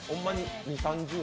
２０３０年？